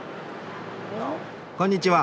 こんにちは。